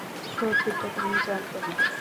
সত্যিটা তুমি জানতে না?